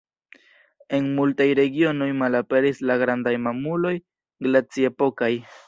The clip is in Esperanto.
En multaj regionoj malaperis la grandaj mamuloj glaci-epokaj.